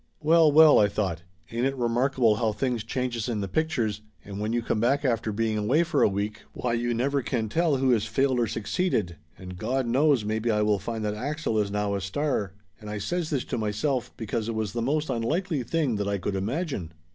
Well, well, I thought, ain't it remarkable how things changes in the pictures and when you come back after being away for a week, why, you never can tell who has failed or succeeded, and Gawd knows maybe I will find that A'xel is now a star, and I says this to myself because it was the most unlikely thing that I could imagine.